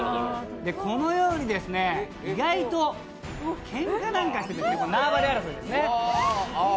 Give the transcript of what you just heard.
このように意外とけんかなんかして、縄張り争いですね。